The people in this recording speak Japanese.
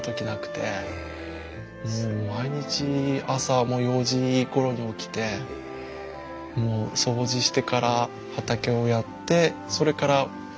もう毎日朝はもう４時ごろに起きてもう掃除してから畑をやってそれからお仕事に行って。